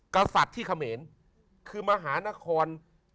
กษัตริย์ที่เขมร